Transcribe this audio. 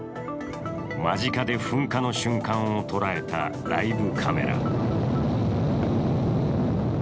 間近で噴火の瞬間を捉えたライブカメラ。